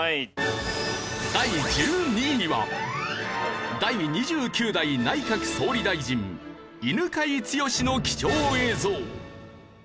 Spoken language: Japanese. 第１２位には第２９代内閣総理大臣犬養毅の貴重映像。